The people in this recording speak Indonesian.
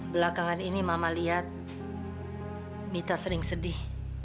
belakangan ini mama lihat mita sering sedih